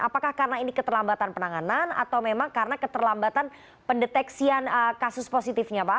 apakah karena ini keterlambatan penanganan atau memang karena keterlambatan pendeteksian kasus positifnya pak